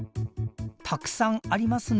たくさんありますね。